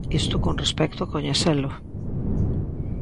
Isto con respecto a coñecelo.